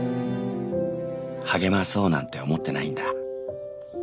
励まそうなんて思ってないんだ。